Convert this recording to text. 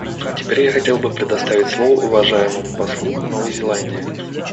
Теперь я хотел бы предоставить слово уважаемому послу Новой Зеландии.